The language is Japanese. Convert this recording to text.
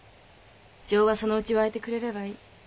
情はそのうちわいてくれればいい。